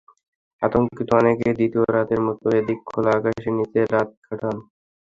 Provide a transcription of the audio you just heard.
আতঙ্কিত অনেকে দ্বিতীয় রাতের মতো এদিন খোলা আকাশের নিচে রাত কাটান।